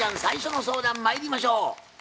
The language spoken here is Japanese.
最初の相談まいりましょう。